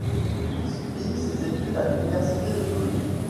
Il fit ses études à l'Université de Toulouse.